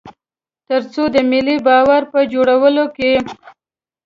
تر څو د ملي باور په جوړولو کې.